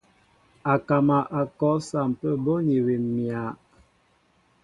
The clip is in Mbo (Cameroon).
Akama a kɔ a sampə bô awim myǎ.